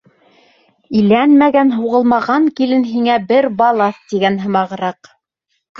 «Иләнмәгән-һуғылмаған, килен, һиңә бер балаҫ» тигән һымағыраҡ.